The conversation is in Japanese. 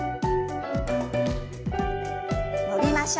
伸びましょう。